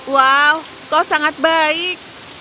wow kau sangat baik